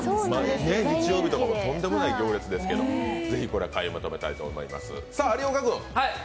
日曜日とかとんでもない行列ですけどぜひ買い求めたいと思います。